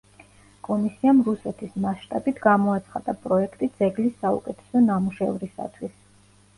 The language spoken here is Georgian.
კომისიამ რუსეთის მასშტაბით გამოაცხადა პროექტი ძეგლის საუკეთესო ნამუშევრისათვის.